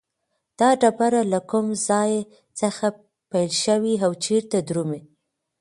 دا ډبره له کوم ځای څخه پیل شوې او چیرته درومي؟